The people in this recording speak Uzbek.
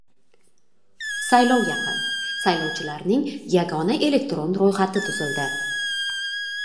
Saylov yaqin - saylovchilarning yagona elektron ro‘yxati tuzildi.